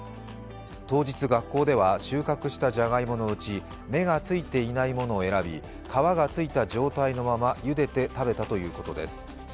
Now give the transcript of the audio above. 当日、学校では収穫したじゃがいものうち芽がついていないものを選び皮がついた状態のままゆでて食べたということです。